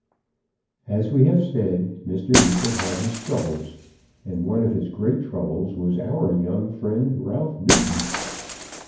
As we have said, Mr. Neefit had his troubles, and one of his great troubles was our young friend, Ralph Newton.